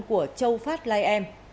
của châu phát lai em